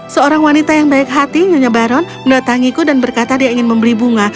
seorang wanita yang baik hati nyonya baron mendatangiku dan berkata dia ingin membeli bunga